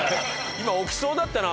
今置きそうだったな。